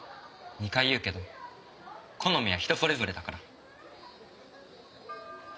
２回言うけど好みは人それぞれだから。